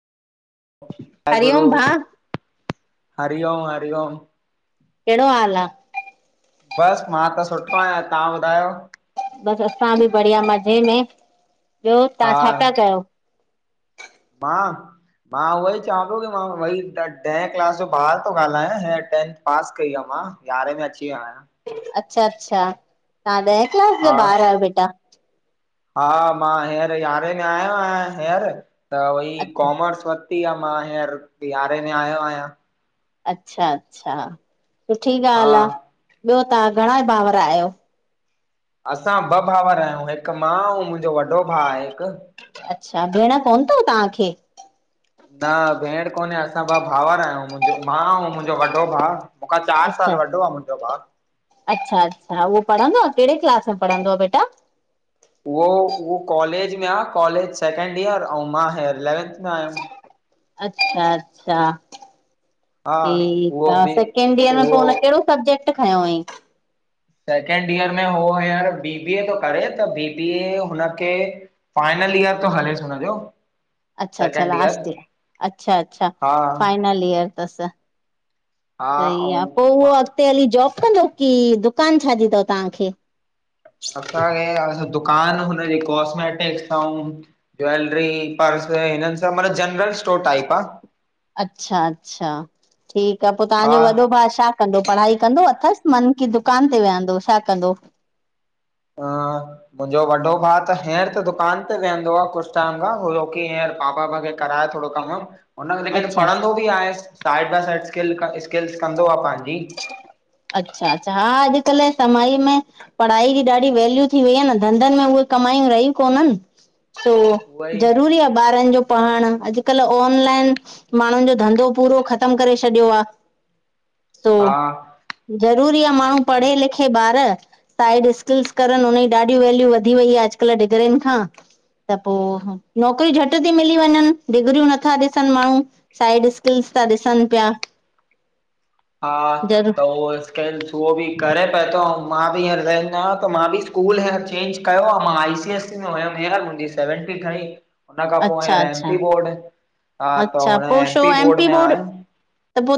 जय गुरू, हरिओम भाउ हरिओम-हरिओम। केड़ो हाल आ? बस मां त सुठो आयां तां ॿुधायो? बस असां ॿि बढ़िया मज़े में ॿयो हा तां छा पया कयो? मां? मां उय ई चवां तो की मां भ ॾह क्लास ॼो ॿार तो ॻालायां हीअ टें पास कई आ मां यारें में अची वयो आयां। अच्छा-अच्छा तां ॾह क्लास ॼा हा ॿार आयो बेटा? हा मां हींअर यारें में आयो आयां हींअर। त वई अच्छा कॉमर्स वती आ मां हींअर यारे में आयो आयां। अच्छा-अच्छा सुठी हा ॻाल आ ॿयो तां घणा भावर आयो? असां ॿ भावर आयूं हिक मां ऐं मुंजो वॾो भा आए हिक। अच्छा भेण कोन तव तांखे? न भेण कोने असां ॿ भावर आयूं। मां ऐं मुंॼो वॾो भा मूंखां चार साल वॾो आ मुंॼो भा। अच्छा-अच्छा उयो पढ़ंदो आ केड़े क्लास में पढ़ंदो आ बेटा? उयो-उयो कॉलेज में आ कॉलेज सैकेंड इयर ऐं मां इलेवेंथ में आयम। अच्छा-अच्छा हा ठीक उहो आ बि सेकेंड ॾींअर में पो उहो हुन केड़ो सब्जेक्ट खयों अईं? सेकेंड ईयर में हो हीयर बी बी ए तो करे त बीबीए हुनखे फाइनल इयर तो हलेस हुनजो। अच्छा-अच्छा लास्ट ईयर अच्छा-अच्छा हा फाइनल ईयर तस। हा सई ऐं आ पो उयो मां अॻते हली जॉब कंदो की दुकान छा ॼी तव तांखे? असांखे दुकान हुनॼी कॉस्मेटिक, ज्वेलरी, पर्स हिनन मतलब जनरल स्टोर टाइप आ। - अच्छा-अच्छा ठीक आ पो हा तांजो वॾो भा शा कंदो पढ़ाई कंदो अथस मन की दुकान ते वियंदो छा कंदो? हा मुं ॼो औवॾो भा त हींअर त दुकान ते वेहंदो आ कुछ टाइम खा छो हींअर पापा वगै कराय थोड़ो कम वम। हुन लेकिन अच्छा पढ़ंदो बि आहे। Side by side skill, skills कंदो आहे पंहिंजी। अच्छा-अच्छा। हा, अॼु-कल्ह समाई में - - पढ़ाई जी ॾाढी वैल्यू थी वई आहे न। धंधनि में उहे कमायूं रहियूं कोनन। तो, उहा ई ज़रूरी आहे ॿारन जो पढ़ण। अॼु-कल्ह ऑनलाइन माण्हुनि जो धंधो पूरो ख़तम करे छॾियो आ। सो हा - - ज़रूरी आहे माण्हू पढ़े-लिखे, ॿार साइड स्किल्स करनि। हुन जी ॾाढी वैल्यू वधी वई आहे अॼु-कल्ह डिग्रिन खां। त पो नौकिरियूं झटि थी मिली वञनि, डिग्रियूं नथा ॾिसनि माण्हू। साइड स्किल्स था ॾिसनि पिया। हा ज़रूर त उहो [unintelligible] उहो बि करे पियो थो। ऐं मां बि हींअर रहंदो आहियां, त मां बि स्कूल हींअर चेंज कयो आ। मां आई सी एस सी [unintelligible] हूंदी सेवंटी तांई- - हुन खां पोइ अच्छा हाणे एम अच्छा पी बोर्ड। हा, त अच्छा हुन पो छो एमपी एम बोर्ड पी में हाणे त पो